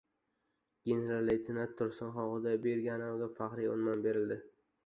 General-leytenant Tursinxon Xudaybergenovga faxriy unvon berildi